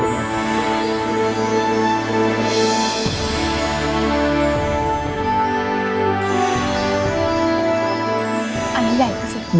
อันใหญ่ที่สุด